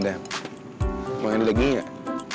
mau makan daging gak